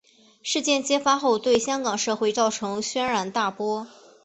事件揭发后对香港社会造成轩然大波。